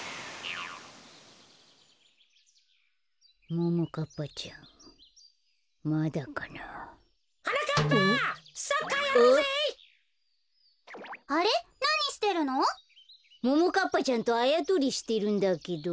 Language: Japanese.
ももかっぱちゃんとあやとりしてるんだけど。